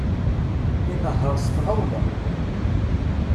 Inehher s tɣawla.